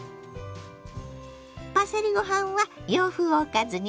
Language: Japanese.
パセリご飯は洋風おかずにピッタリ。